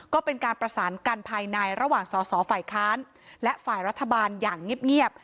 ก็เป็นการประสานกันภายในระหว่างสสฝคและฝรัฐบาลอย่างเงียบ